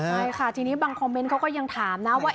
ใช่ค่ะทีนี้บางคอมเมนต์เขาก็ยังถามนะว่า